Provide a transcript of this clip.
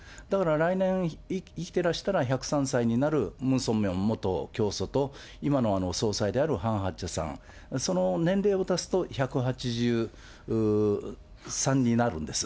だから来年生きてらしたら１０３歳になるムン・ソンミョン元教祖と、今の総裁であるハン・ハクチャさん、その年齢を足すと１８３になるんです。